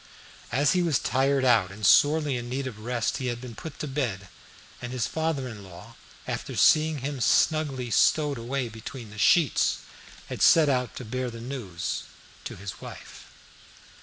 As he was tired out and sorely in need of rest, he had been put to bed, and his father in law, after seeing him snugly stowed away between the sheets, had set out to bear the news to his wife.